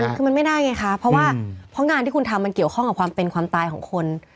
คือมันไม่ได้ไงคะเพราะว่าเพราะงานที่คุณทำมันเกี่ยวข้องกับความเป็นความตายของคน